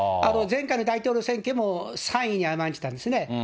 前回の大統領選挙も３位に甘んじたんですね。